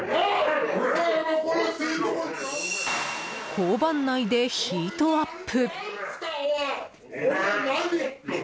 交番内でヒートアップ！